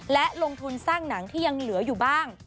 และลงทุนสร้างหนังที่ยังเหลืออยู่บ้าง